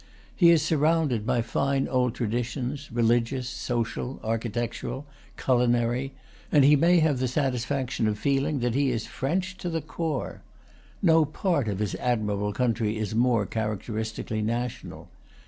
He is surrounded by fine old traditions, religious, social, architectural, culi nary; and he may have the satisfaction of feeling that he is French to the core. No part of his admirable country is more characteristically national.